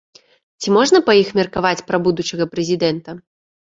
Ці можна па іх меркаваць пра будучага прэзідэнта?